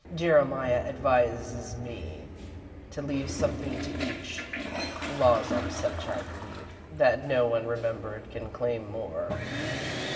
Jeremiah advises me to leave something to each. Laws are such, I believe, that no one remembered can claim more.